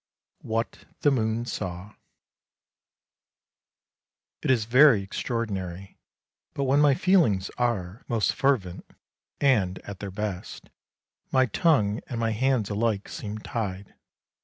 WHAT THE MOON SAW IT is very extraordinary, but when my feelings are~ most fervent, and at their best, my tongue and my hands alike seem tied.